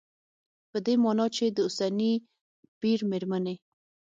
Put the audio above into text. په دې مانا چې د اوسني پېر مېرمنې